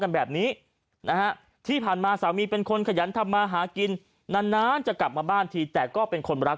กันแบบนี้นะฮะที่ผ่านมาสามีเป็นคนขยันทำมาหากินนานจะกลับมาบ้านทีแต่ก็เป็นคนรัก